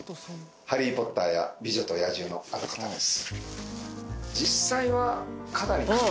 「ハリー・ポッター」や「美女と野獣」のあの方です。